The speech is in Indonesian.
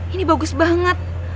ini bagus banget